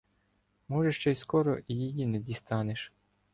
Може, ще й скоро і її не дістанеш.